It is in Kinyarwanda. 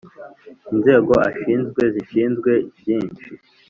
inzego ashinzwe zishinzwe byishi.